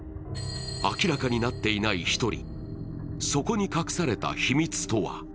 明らかになっていない１人そこに隠された秘密とは。